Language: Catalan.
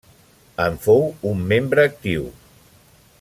En fou un membre actiu.